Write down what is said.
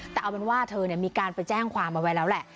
แต่เอาเป็นว่าเธอมีการไปแจ้งความเอาไว้แล้วแหละ